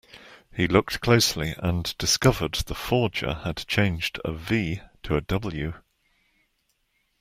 He looked closely and discovered the forger had changed a V to a W.